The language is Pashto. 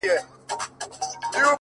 ځمه ويدېږم ستا له ياده سره شپې نه كوم’